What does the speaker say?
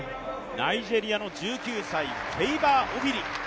ナイジェリアの１９歳、フェイバー・オフィリ。